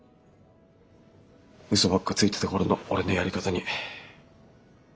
嘘ばっかついてた頃の俺のやり方に。